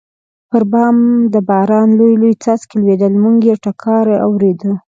پر بام د باران لوی لوی څاڅکي لوېدل، موږ یې ټکهار اورېده.